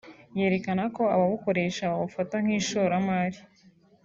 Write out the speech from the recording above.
yerekana ko ababukoresha babufata nk’ishoramari